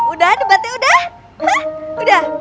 udah debatnya udah mah udah